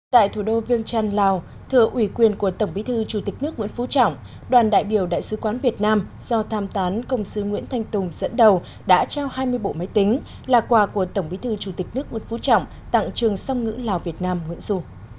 tại thủ đô viêng trăn lào thưa ủy quyền của tổng bí thư chủ tịch nước nguyễn phú trọng đoàn đại biểu đại sứ quán việt nam do tham tán công sư nguyễn thanh tùng dẫn đầu đã trao hai mươi bộ máy tính là quà của tổng bí thư chủ tịch nước nguyễn phú trọng tặng trường song ngữ lào việt nam nguyễn dù